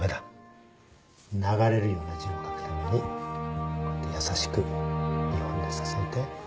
流れるような字を書くためにこうやって優しく２本で支えて